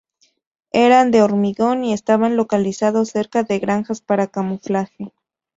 Eran de hormigón y estaban localizados cerca de granjas para camuflaje.